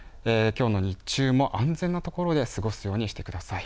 きょうの日中も安全な所で過ごすようにしてください。